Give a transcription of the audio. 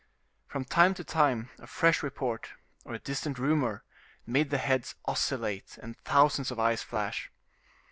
From time to time a fresh report, or a distant rumor, made the heads oscillate and thousands of eyes flash.